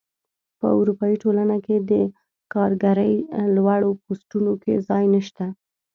په اروپايي ټولنه کې د کارګرۍ لوړو پوستونو کې ځای نشته.